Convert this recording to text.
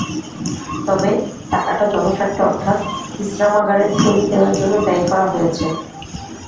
তবে টাকাটা জনস্বার্থে অর্থাৎ বিশ্রামাগারের জমি কেনার জন্য ব্যয় করা হয়েছে।